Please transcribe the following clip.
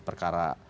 perkara ada tidak